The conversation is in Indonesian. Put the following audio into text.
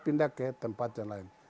pindah ke tempat yang lain